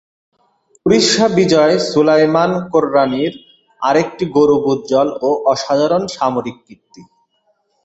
উড়িষ্যা বিজয় সুলায়মান কররানীর আরেকটি গৌরবোজ্জ্বল ও অসাধারণ সামরিক কীর্তি।